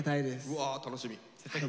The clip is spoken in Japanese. うわ楽しみ。